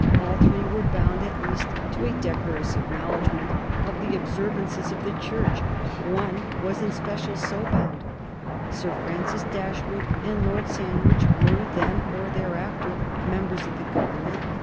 All three were bound at least to a decorous acknowledgment of the observances of the Church; one was in especial so bound. Sir Francis Dashwood and Lord Sandwich were, then or thereafter, members of the Government.